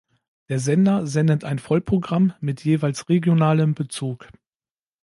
Der Sender sendet ein Vollprogramm mit jeweils regionalem Bezug.